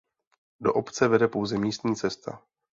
Do obce vede pouze místní cesta.